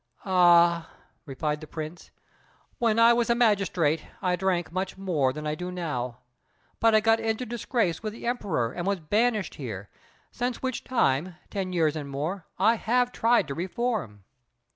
"Ah," replied the Prince, "when I was a magistrate I drank much more than I do now; but I got into disgrace with the Emperor and was banished here, since which time, ten years and more, I have tried to reform.